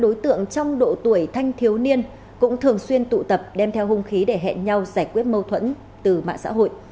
đối tượng trong độ tuổi thanh thiếu niên cũng thường xuyên tụ tập đem theo hung khí để hẹn nhau giải quyết mâu thuẫn từ mạng xã hội